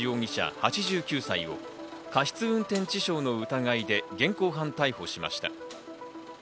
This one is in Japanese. ８９歳を過失運転致傷の疑いで現行犯逮捕しました。